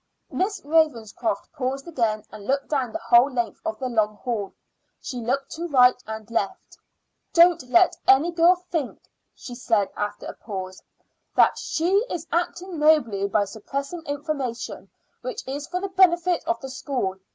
Miss Ravenscroft paused again and looked down the whole length of the long hall. She looked to right and left. "Don't let any girl think," she said after a pause, "that she is acting nobly by suppressing information which is for the benefit of the school.